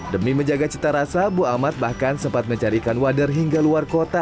demi menjaga cita rasa bu ahmad bahkan sempat mencari ikan wader hingga luar kota